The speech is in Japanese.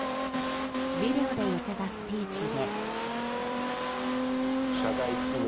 ビデオで寄せたスピーチで。